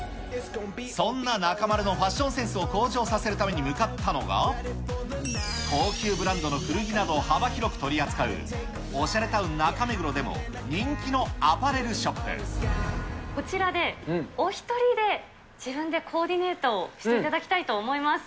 そんな中丸のファッションセンスを向上させるために向かったのが、高級ブランドの古着などを幅広く取り扱うおしゃれタウン、中目黒こちらでお一人で、自分でコーディネートをしていただきたいと思います。